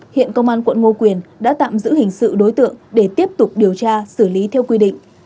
hiện công an quận ngô quyền đã tạm giữ hình sự đối tượng để tiếp tục điều tra xử lý theo quy định